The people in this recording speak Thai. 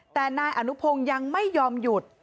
แต่นายอนุพงศ์ยังไม่ยอมหยุด